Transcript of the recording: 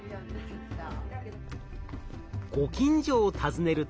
ご近所を訪ねると。